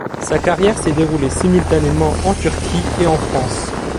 Sa carrière s'est déroulée simultanément en Turquie et en France.